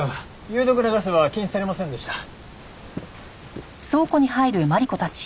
有毒なガスは検出されませんでした。